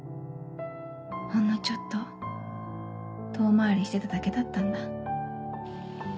ほんのちょっと遠回りしてただけだったんだ。